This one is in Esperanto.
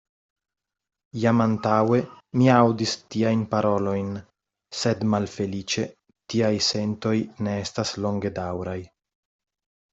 Jam antaŭe mi aŭdis tiajn parolojn; sed, malfeliĉe, tiaj sentoj ne estas longedaŭraj.